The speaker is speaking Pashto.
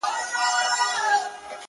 o خلک بيا بحث شروع کوي ډېر,